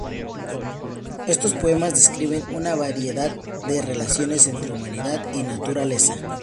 Estos poemas describen una variedad de relaciones entre humanidad y naturaleza.